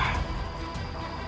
gusti yang agung